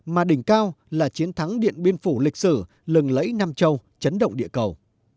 mà đỉnh cao là chiến thắng điện biên phủ lịch sử lừng lẫy nam châu chấn động địa cầu